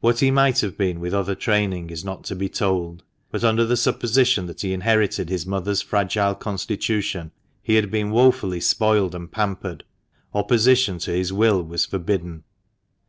What he might have been with other training is not to be told, but under the supposition that he inherited his mother's fragile THE MANCHESTER MAN. 89 constitution, he had been woefully spoiled and pampered. Opposition to his will was forbidden.